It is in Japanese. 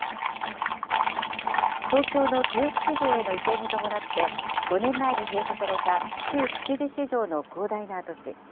東京の豊洲市場への移転に伴って、５年前に閉鎖された旧築地市場の広大な跡地。